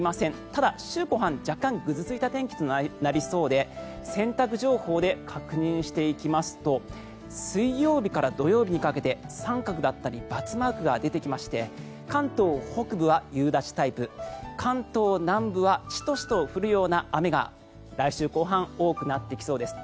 ただ週後半若干、ぐずついた天気となりそうで洗濯情報で確認していきますと水曜日から土曜日にかけて三角だったりバツマークが出てきまして関東北部は夕立タイプ関東南部はシトシト降るような雨が来週後半多くなってきそうです。